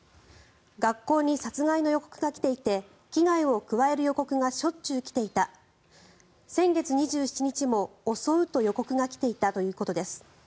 学校に殺害の予告が来ていて危害を加える予告がしょっちゅう来ていた先月２７日も、襲うと予告が来ていたということです。